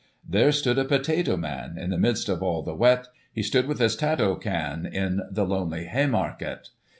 " There stood a potato man In the midst of all the wet ; He stood with his 'tato can In the lonely Haymarket.